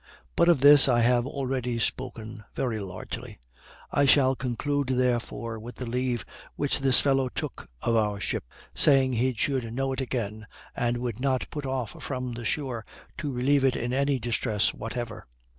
But of this I have already spoken very largely. I shall conclude, therefore, with the leave which this fellow took of our ship; saying he should know it again, and would not put off from the shore to relieve it in any distress whatever.